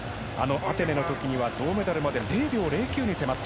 アテネの時は銅メダルまで０秒０９に迫った。